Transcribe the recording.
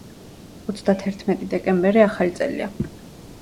ოცდათერთმეტი დეკემბერი ახალი წელია